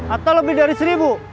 atau lebih dari seribu